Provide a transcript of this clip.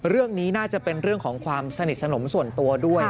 เรื่องนี้น่าจะเป็นเรื่องของความสนิทสนมส่วนตัวด้วย